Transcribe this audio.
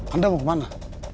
anda mau kemana